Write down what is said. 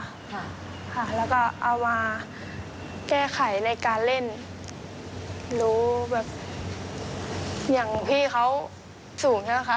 ค่ะค่ะแล้วก็เอามาแก้ไขในการเล่นรู้แบบอย่างพี่เขาสูงใช่ไหมคะ